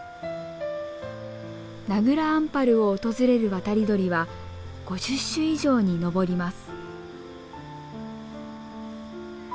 名蔵アンパルを訪れる渡り鳥は５０種以上に上ります。